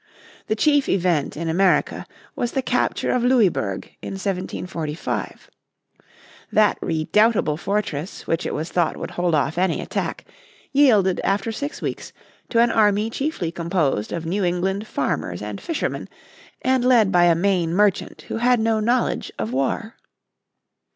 The chief event in America was the capture of Louisburg in 1745. That redoubtable fortress which it was thought would hold off any attack, yielded after six weeks to an army chiefly composed of New England farmers and fishermen, and led by Maine merchant who had no knowledge of war.